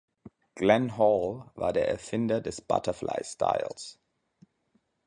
Glenn Hall war der Erfinder des „Butterfly Styles“.